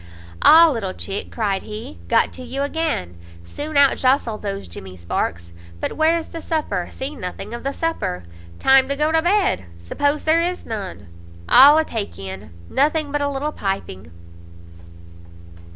"Ah, little chick!" cried he, "got to you again! soon out jostle those jemmy sparks! But where's the supper? see nothing of the supper! Time to go to bed, suppose there is none; all a take in; nothing but a little piping."